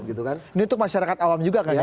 ini untuk masyarakat awam juga kan ya